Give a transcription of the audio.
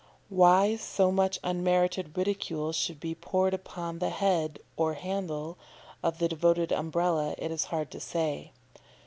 Why so much unmerited ridicule should be poured upon the head (or handle) of the devoted Umbrella, it is hard to say.